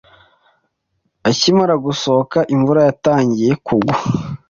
Akimara gusohoka, imvura yatangiye kugwa.